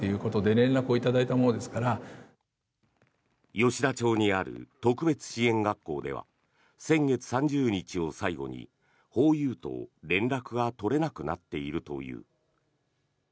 吉田町にある特別支援学校では先月３０日を最後にホーユーと連絡が取れなくなっているという。